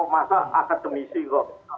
masa akademisi kok